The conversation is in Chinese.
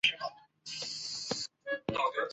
高盛投资亚洲区副总裁。